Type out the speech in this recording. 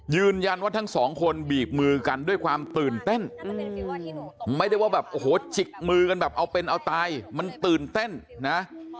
ยืนยันว่าทั้งสองคนบีบมือกันด้วยความตื่นเต้นไม่ได้ว่าแบบโอ้โหจิกมือกันแบบเอาเป็นเอาตายมันตื่นเต้นนะ